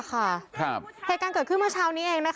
เหตุการณ์เกิดขึ้นเมื่อเช้านี้เอง